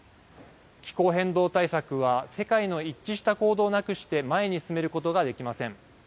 気候変動対策は世界の一致した行動なくして前に進めることができません。